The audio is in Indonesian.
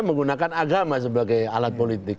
menggunakan agama sebagai alat politik